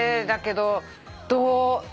だけどどう。